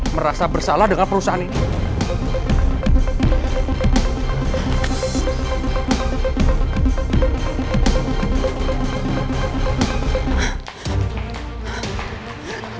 merasa bersalah dengan perusahaan ini